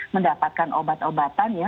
mendapatkan obat obatan ya